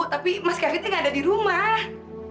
tapi mas kevin tuh nggak ada di rumah